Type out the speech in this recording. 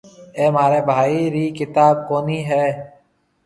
اَي مهاريَ ڀائي رِي ڪتاب ڪونَي هيَ۔